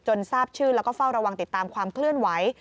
ทราบชื่อแล้วก็เฝ้าระวังติดตามความเคลื่อนไหว